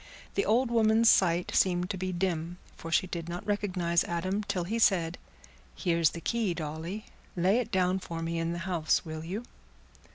The old woman's sight seemed to be dim, for she did not recognize Adam till he said, "Here's the key, Dolly; lay it down for me in the house, will you?"